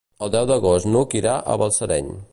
El deu d'agost n'Hug irà a Balsareny.